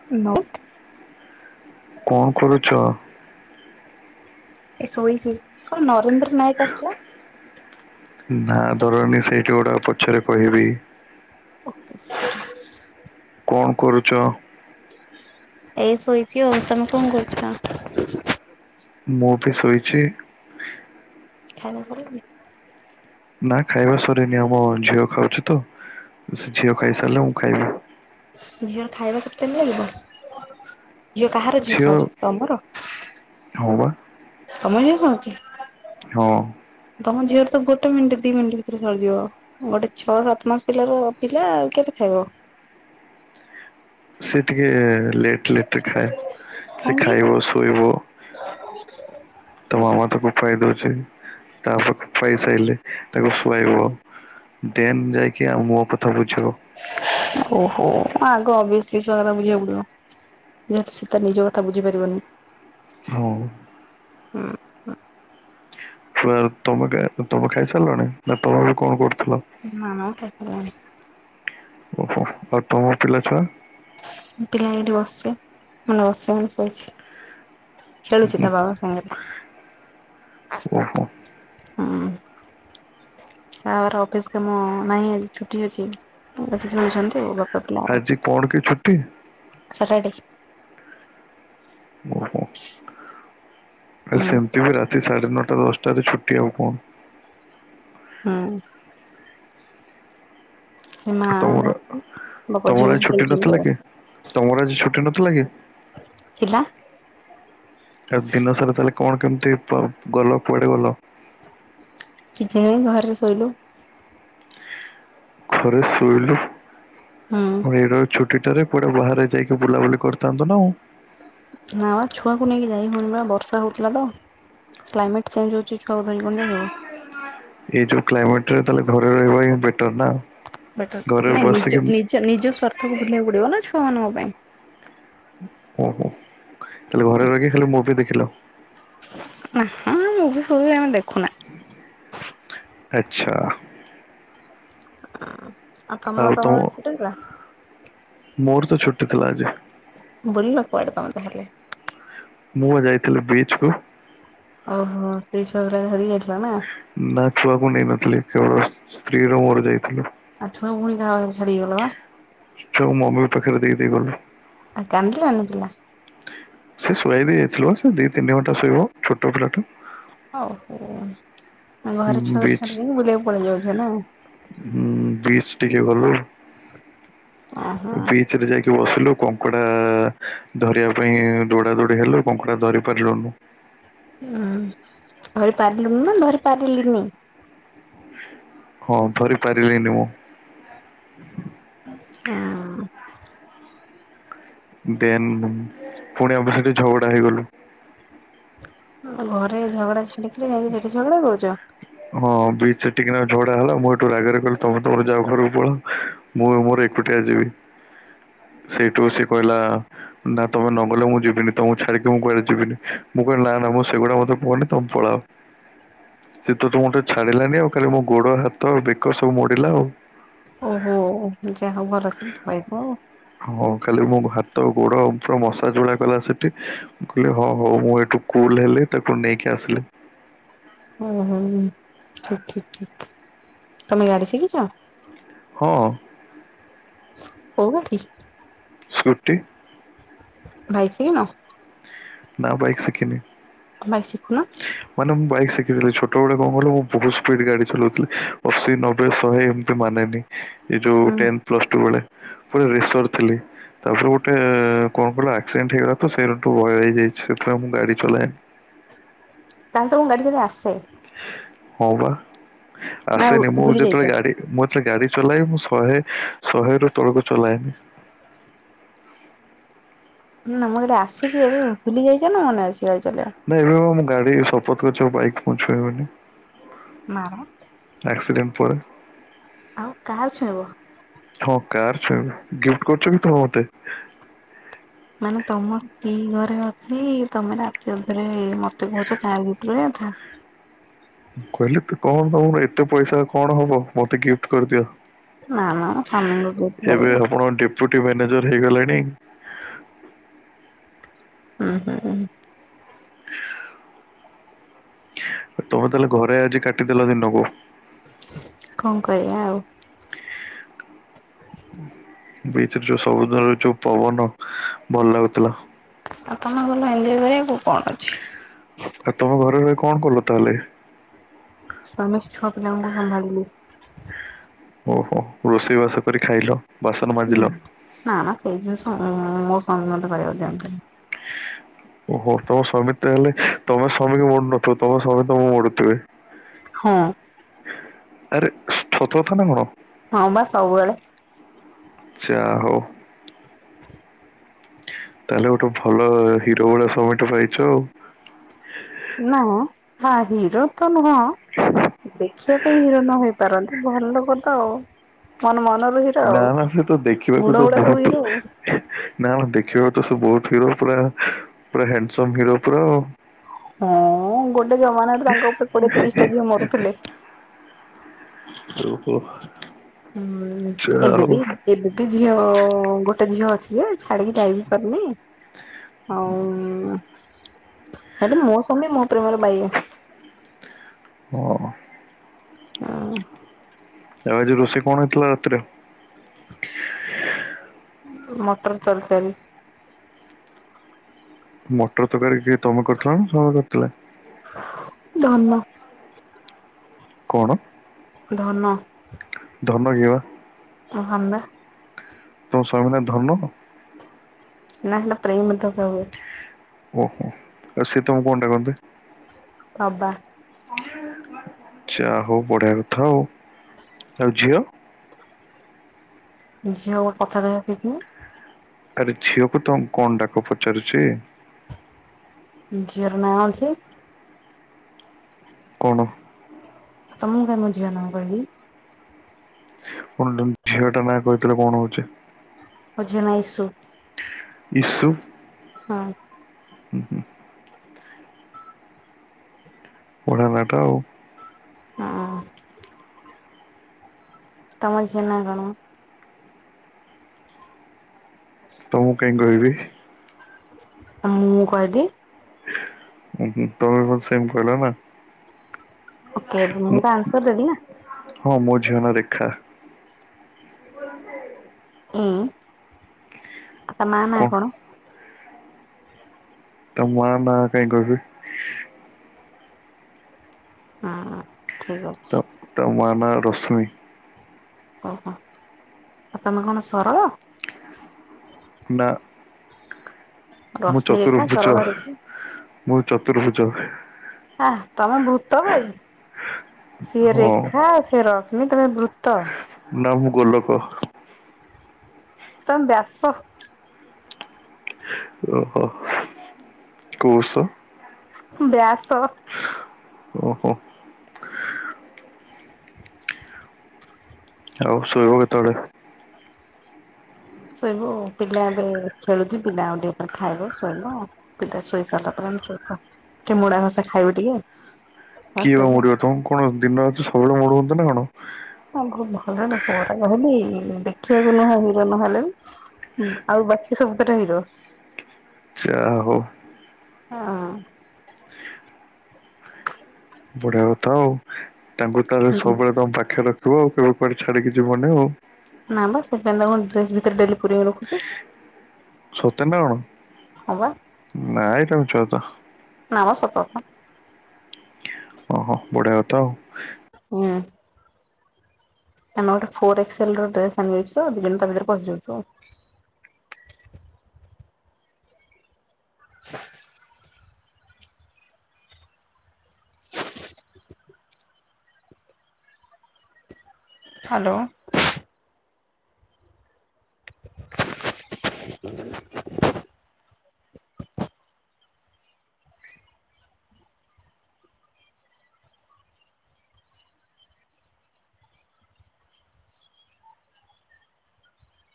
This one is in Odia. [unintelligible] କଣ କରୁଚ? ଏ ଶୋଇଚି କଣ ନରେନ୍ଦ୍ର ନାୟକ ଆସିଲା। ନା ଧରନି ସେଇଠି ଗୋଟେ ପଛରେ କହିବି। Okay sorry. କଣ କରୁଚ? ଏଇ ଶୋଇଚି ଆଉ। ତମେ କଣ କରୁଚ? ମୁଁ ବି ଶୋଇଚି। ଖାଇ। [inaudible] ନା ଖାଇବା ସରିନି ଆମ ଝିଅ ଖାଉଛି ତ ସେ ଝିଅ ଖାଇସାରିଲେ ମୁଁ ଖାଇବି। ଝିଅର ଖାଇବା ପଚାରିଲେ ନା ଝିଅ କାହାର ଝିଅ ଖାଉଛନ୍ତି ତମର। ହଁ ପା ତମ ଝିଅ ଖାଉଛି। ହଁ। ତମ ଝିଅରେ ତ ଗୋଟେ ମିନିଟ ଦି ମିଟ ଭିତରେ ସରିବ। ଗୋଟେ ଛଅ ସାତମାସ ପିଲାର ପିଲା ଆଉ କେତେ ଖାଇବ? ସେ ଟିକେ ଲେଟ୍ ଲେଟ୍ ରେ ଖାଏ ସେ କାହିଁକି? ଖାଇବ ଶୋଇବ। ତ ମାମା ତାକୁ ଖୁଆଇ ଦଉଛି ତା ପା ଖାଇସାଇଲେ। ତାକୁ ଶୁଆଇବ ଦେନ୍ ଯାଇକି ଆଉ ମୋ କଥା ବୁଝିବ। ଓହୋ ଆଗ ଓବିଓସ୍ଲି ଛୁଆ କଥା ବୁଝିବାକୁ ପଡିବ। ଯେହେତୁ ସେ ତା ନିଜ କଥା ବୁଝି ପାରିବନି। ହଁଉ। ହୁଁ ତମେ ତମେ ଖାଇସାରିଲଣି ନା ତମେ ବି କଣ କରୁଥିଲ? ନାମ କ୍ଷେତ୍ର। ଓହୋ ଆଉ ତମ ପିଲା ଛୁଆ? ପିଲା ଏଠି ବସଛି ମନେ ବସିଛି ମୁଁ ଶୋଇଛି। ଖେଳୁଛି ତା ବାବା ସାଙ୍ଗରେ ଓହୋ ଆ ହୁଁ। ତା ବାବା ର ଅଫିସ କାମ ନାହିଁ ଆଜି ଛୁଟି ଅଛି ବସିକି ଖେଳୁଛନ୍ତି ଆଉ ବାପା ଲା ଆଉ [inaudible] ଆଜି କଣ କି ଛୁଟି ହୁଁ ହୁଁ। ହୁଁ ସେମିତି ବି ରାତି ସାଢେ ନଅଟା ଦଶଟାରେ ଛୁଟି ହବ। ହୁଁ। ସେ ମା ତମର ବାପ ମୋ ତମର ପଛେ ଆଜି ବସିକି ଛୁଟି ଖେଳୁଛନ୍ତି ନଥିଲା ଆଉ। କି ତମର ଆଜି ଛୁଟି ନ ଥିଲା କି? ଥିଲା। ଆଉ ଦିନ ସାରା କଣ କେମିତି ଗଲ କୁଆଡେ ଗଲ? କିଛି ନାଇଁ ଘରେ ଶୋଇଲୁ। ଘରେ ଶୋଇଲୁ। ହଁ। ଏଇ ର ଛୁଟି ଟାରେ କୁଆଡେ ବାହାରେ ଯାଇକି ବୁଲାବୁଲି କରିଥାନ୍ତୁ ନା ଆଉ। ନା ବା ଛୁଆକୁ ନେଇକି ଯାଇ ହଉନି ବର୍ଷା ହଉଥିଲା ତ। କ୍ଲାଇମେଟ୍ ଚେଞ୍ଜ ହଉଛି ଛୁଆ ଧରିକି କଣ ଯାଇ ହେବ? ଏଇ ଯଉ କ୍ଲାଇମେଟ ରେ ତାଲେ ଘରେ ରହିବା ହିଁ ବେଟର୍ ନା। ଘରେ ବଟର ନାଇଁ ନିଜ ବସିକି ନିଜ ନିଜ ସ୍ୱାର୍ଥକୁ ଭୁଲିବାକୁ ପଡିବ ନା ଛୁଆ ମାନଙ୍କ ପାଇଁ। ଓ ହୋ ତାହେଲେ ଘରେ ରହିକି ଖାଲି ମୁଭି ଦେଖିଲ। ନା ମୁଭି ଫୁବି ଆମେ ଦେଖୁନା। ଆଚ୍ଛା। ଆଉ ତମର ତ ଘର ଛୋଟ ଥିଲା। ମୋର ତ ଛୁଟି ଥିଲା ଆଜି। ବୁଲିଲ କୁଆଡେ ତମେ ତାହେଲେ? ମୁଁ ଯାଇଥିଲି ବିଚ୍ କୁ। ଓହୋ ସ୍ତ୍ରୀ ଛୁଆ ଧରିକି ଯାଇଥିଲା ନା? ନା ଛୁଆକୁ ନେଇନଥିଲି କେବଳ ସ୍ତ୍ରୀ ର ମୋର ଯାଇଥିଲୁ। ଆଉ [unintelligible] ପୁଣି କାହା ଘରେ ଛାଡିକି ଗଲା ବା? ଛୁଆ ମମି ଙ୍କ ପାଖରେ ଦେଇ ଦେଇକି ଗଲୁ। ଆ କାନ୍ଦିଲାନି ପିଲା? ସେ ଶୋଆଇ ଦେଇ ଯାଇଥିଲୁ ବା ସେ ଦି ତିନି ଘଣ୍ଟା ଶୋଇବ ଛୋଟ ପିଲା ଟା। ହଉ [unintelligible] ଘରେ ଛୁଆକୁ ବିଚ୍ ଛାଡ଼ି ଦେଇକି ବୁଲିବାକୁ ପଳେଇ ଯାଉଛ ନା। ହୁଁ ବିଚ ଟିକେ ଗଲୁ ଓହୋ ହୁଁ ବିଚ ରେ ଯାଇକି ବସିଲୁ। କଙ୍କଡା ଧରିବା ପାଇଁ ଦୌଡା ଦୋଡି ହେଲୁ କଙ୍କଡା ଧରି ପାରିଲୁନୁ। ଉୁଁ ଧରି ପାରିଲୁନି ନା ଧରି ପାରିଲିନି। ହଁ ଧରି ପାରିଲିନି ମୁଁ। ହଁ। ଦେନ୍ ପୁଣି ଆମେ ସେଠି ଝଗଡ଼ା ହେଇଗଲୁ। ତମ ଘରେ ଝଗଡା ଛାଡିକିରି ଯାଇକି ସେଠି ଝଗଡା କରୁଛ? ହଁ ବିଚ ରେ ଟିକେ ନା ଝଗଡା ହେଲା ମୁଁ ଏଠୁ ରାଗରେ କହିଲି ତମେ ତମର ଯା ଘରକୁ ପଳା। ମୁଁ ମୋର ଏକୁଟିଆ ଯିବି। ସେଇଠୁ ସେ କହିଲା ନା ତମେ ନ ଗଲେ ମୁଁ ଯିବିନି ତମକୁ ଛାଡିକି ମୁଁ କୁଆଡେ ଯିବିନି। ମୁଁ କହିଲି ନା ନା ମୁଁ ସେଗୁଡା ମତେ କୁହନି ତମେ ପଳାଅ। ସେଠୁ ତ ମୁଁ ଟେ ଛାଡିଲାନି ଆଉ ଖାଲି ମୋ ଗୋଡ ହାତ ବେକ ସବୁ ମୋଡିଲା ଆଉ। ଓହୋ ହ ଯାହା ଭାରସି ପାଇବ। ହଁ ଖାଲି ମୁଁ ହାତ ଗୋଡ ପୁରା ମଶାଯ ଗୁଡା କଲା ସେଠି। କହିଲେ ହଁ ହଉ ମୁଁ ଏଠୁ କୁଲ ହେଲି ତାକୁ ନେଇକି ଆସିଲି। ଓହୋ ଠିକ ଠିକ ଠିକ ତମେ ଗାଡି ଶିଖିଛ? ହଁ। କୋଉଠି? ସ୍କୁଟି। ବାଇକ ଶିଖିନ? ବାବୁ ଏକାକୀନୀ ବାଇକ୍ ଶିଖୁନ। ମାନେ ମୁଁ ବାଇକ୍ ଶିଖିଥିଲି। ଛୋଟ ବେଳେ କଣ କହିଲୁ ମୁଁ ବହୁତ ସ୍ପିଡ ଗାଡି ଚଲାଉଥିଲି ଅଶୀ, ନବେ, ଶହେ ଏମ୍ ମାନେନି ଏଇ ଯୋଉ ହୁଁ ଟେନ ପ୍ଲସ ଟୁ ବେଳେ। ପୁଣି ରେସର ଥିଲି ତାପରେ ଗୋଟେ କଣ କହିଲ ଆକ୍ସିଡେଣ୍ଟ ହେଇଗଲା ତ ସେ [unintelligible] [unintelligible] ମୁଁ ଗାଡି ଚଲାଏ ନି। ତା ହେଲେ ତ ମୁଁ ମେଡିକାଲରୁ ଆସେ। ହଁ ବା ନା ଆସେନି ମୁଁ ଭୁଲି ଯାଇଛ? ଯେତେବେଳେ ଗାଡି ମୁଁ ଏତେ ଗାଡି ଚଲାଏ ମୁଁ ଶହେ ଶହେ ରୁ ତଳକୁ ଚଲାଏନି। ହୁଁ ନା ମୁଁ ଏଠି ଆସୁଛି ଏବେ ଭୁଲି ଯାଇଛ ନା ମନେ ଅଛି ଗାଡି ଚଲେଇବା। ନାଇଁଏବେ ମୁଁ ଗାଡି ଶପଥ କରିଛି ବାଇକ ମୁଁ ଛୁଇବିନି। ନାମ। ଆକସିଡେଣ୍ଟ ପରେ। ଆଉ କାହାର ଛୁଇଁବ? ହଁ କାହାରଛୁଇଁବ ଗିଫ୍ଟ କରୁଛନ୍ତି ତ ମତେ। ମାନେ ତମ ସ୍ତ୍ରୀ ଘରେ ଅଛି ତମେ ରାତି ଅଧରେ ମତେ କହୁଛ କାର ଗିଫ୍ଟ କରିଆ କଥା। କହିଲେ ତ କଣ ହବ ଏତେ ପଇସା କଣ ହବ ମତେ ଗିଫ୍ଟ କରିଦିଅ। ନା ନା ମୁଁ ସ୍ୱାମୀଙ୍କୁ ଗିଫ୍ଟ ଏବେ କରିବି। ଆପଣ ଡେପୁଟି ମ୍ୟାନେଜର ହେଇଗଲେଣି। ହୁଁ ହୁଁ ହୁଁ। ତମେ ତାହେଲେ ଘରେ ଆଜି କାଟିଦେଲ ଦିନକୁ। କଣ କରିବା ଆଉ। ବୀଚି ଯୋଉ ସବୁଦିନରେ ଯୋଉ ପବନ ଭଲ ଲାଗୁଥିଲା। ଆପଣଙ୍କଲ ଭଲ ହିନ୍ଦୀ କରିବାକୁ କଣ ଅଛି। ଆଉ ତମ ଘରେ ରହି କଣ କଲ ତାହେଲେ। ଆମେ ଛଅ ପିଲାଙ୍କୁୁ ସମ୍ଭାଲିଲୁ। ଓହୋ ରୋଷେଇବାସ କରି ଖାଇଲ। ବାସନ ନା ମାଜିଲ ନା ନା ସେଇ ଜିନିଷ ମୋର ସ୍ବାମୀ ମତେ କରିବାକୁ ଦିଅନ୍ତିନି। ଓହୋ ତମ ସ୍ୱାମୀ ତ ହେଲେ ତମ ସ୍ୱାମୀକୁ ମରୁୁନଥିବ ତମ ସ୍ୱାମୀ ତମଁ ମଡୁଥିବେ। ହଁ ଆରେ ସତ କଥା ନା କଣ। ହଁ ବା ସବୁବେଳେ। ଚ୍ଛା ହଉ। ତାହେଲେ ଗୋଟେ ଭଲ ହିରୋ ଭଳିଆ ସମେଟ ପାଇଛ ଆଉ। ନା ହଁ ହିରୋ ତ ନୁହଁ। ହ ଦେଖିବା ପାଇଁ ହିରୋ ନ ହେଇପାରନ୍ତି ଭଲ ଲୋକ ତ ଆଉ। ମନ ମନ ରୁ ହିର ନା ଆଉ ନା ସେ ତ ଦେଖିବାକୁ ତ ଗୁଡ ହୁଡା ସବୁ ବହୁତ ହିର ଆଉ। ନା ମ ଦେଖିବାକୁ ତ ସ ବହୁତ ହିରୋ ପୁରା ପୁରା ହ୍ୟାଣ୍ଡସମ ହିରୋ ପୁରା। ହଁ ଗୋଟେ ଜମାନାରେ ତାଙ୍କ ଉପରେ କୋଡିଏ ତିରିଶ ଟା ଝିଅ ମରୁଥିଲେ। ଓଁ ହୋ ହୁଁ ଏବେ ବି ଏବେ ବି ଝିଅ ଗୋଟେ ଝିଅ ଅଛି ଯେ ଛାଡିକି ଯାଇବି ପାରୁନି। ହଉ ହେଲେ ମୋ ସ୍ୱାମୀ ମୋ ପ୍ରେମର ବାୟା। ଓହୋ। ହଁ। ଆଉ ଆଜି ରୋଷେଇ କଣ ହେଇଥିଲା ରାତିରେ। ମଟର ତରକାରୀ। ମଟର ତରକାରୀ କିଏ ତମେ କରିଥିଲ ନା ସ୍ୱାମୀକ ଧନ। କଣ? ଧନ। ଧନ କିଏ ବା? ମୋ ସ୍ୱାମୀ ପା। ତମ ସ୍ୱାମୀ ନା ଧନ। ନାହିଁ ଲୋ ପ୍ରେମ୍ ରେ ଡକା ହୁଏ। ଓହୋ ଆଉ ସେ ତମକୁ କଣ ଡାକନ୍ତି? ତବା। ଆଛା ହଉ ବଢିଆ କଥା ଆଉ ଆଉ ଝିଅ। ଝିଅ ମୋ କଥା କହିଆ ଶିଖିନି। ଆରେ ଝିଅକୁ ତମେ କଣ ଡାକ ପଚାରୁଛି? ଝିଅର ନାଁ ଅଛି। କଣ? ତମକୁ କାଇଁ ମୋ ଝିଅ ନା କହିବି। [unintelligible] ଝିଅଟା ନା କହିଦେଲେ କଣ ହଉଛି। ମୋ ଝିଅ ନା ଇଶୁ। ଇଶୁ। ହଁ। ହୁଁ ହୁଁ। ବଢିଆ ନାତ ଆଉ। ହଁ। ତମ ଝିଅ ନାଁ କଣ? ତମକୁ କାଇଁ କହିବି। ହଁ ମୁଁ କହିଲି। ଉଁ ହୁଁ ତମେ କଣ ସେମ୍ କହିଲ ନା? ଓକେ ମୁଁ ତ ଆନ୍ସର ଦେଲି ନା [unintelligible] ହଁ ମୋ ଝିଅ ନା ରେଖା। [unintelligible] ଏଁ ତା ମା ନା କଣ? ତା ମା ନା କାଇଁ କହିବି। ହଁ ଠିକ୍ [unintelligible] ତ ତୋ ମା ନାଁ ରଶ୍ମି। ଓହୋ ଆଉ ତମେ କଣ ସରଳ? ନା ମୁ ରଶ୍ମି ରେଖା ଚତୃର୍ଭୁଜ। ସରଳ ରେଖା ମୁ ଚତୃର୍ଭୁଜ। ହାଁ ତମେ ଭୂତ ବେ ସିଏ ହଁ ରେଖା ସିଏ ରଶ୍ମି ତମେ ଭୂ ତ। ନା ମୁ ଗୋଲକ। ତମେ ବ୍ୟାସ ଓହୋ କୋଉ ସ? ବ୍ୟାସ। ଓହୋ। ଆଉ ଶୋଇବ କେତେବେଳେ? ଶୋଇବୁ ପିଲା ଏବେ ଖେଳୁଚି ପିଲା ଆଉ ଟିକେ ପରେ ଖାଇବ ଶୋଇବ ପିଲା ଶୋଇ ସାରିଲା ପରେ ଆମେ ଶୋଇବୁ ଆଉ ଟିକେ ମୋଡ଼ା ଘସା ଖାଇବୁ ଟିକେ। ତାପରେ କିଏ ବା ଶୋଇବା ଆଉ। ମୋଡିବ ତମକୁ କଣ ଦିନ ରାତି ସବୁବେଳେ ମୋଡୁଚନ୍ତି ନା କଣ। ଆଉ ଭଲ ନା ପୁଅଟା କହିଲି ଦେଖିବାକୁ ନୁହଁ ହିରୋ ନହେଲେ ବି ହୁଁ ଆଉ ବାକି ସବୁ ଟା ତା ହିରୋ। ଆଚ୍ଛା ହୋଉ। ହଁ। ବଢିଆ କଥା ଆଉ ତାଙ୍କୁ ତାହେଲେ ହୁଁ। ସବୁବେଳେ ତମ ପାଖରେ ରଖିବ ଆଉ କେବେ କୁଆଡେ ଛାଡିକି ଯିବନି ଆଉ। ନାଁ ବା ସେଥିପାଇଁ ତାକୁ ଡ୍ରେସ ଭିତରେ ଡେଲି ପୁରେଇ କି ରଖୁଚି। ସତରେ ନାଁ କଣ ହଁ ବା ନାଇଁ ତମେ ମିଛ [unintelligible] ନାଁ ମ ସତ କଥା। ଓହୋ ବଢିଆ କଥା ଆଉ। ନାଁ। ଆମେ ଗୋଟେ ଫୋରଏକ୍ସଲ୍ ର ଡ୍ରେସ୍ ଆଣିଚୁ ଦି ଜଣ ତା ଭିତରେ ପସିଯାଉଚୁ। [unintelligible] ହାଲୋ। [unintelligible]